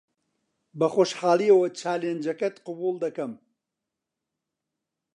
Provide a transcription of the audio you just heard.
بەخۆشحاڵییەوە چالێنجەکەت قبوڵ دەکەم.